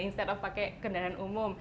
instead of pakai kendaraan umum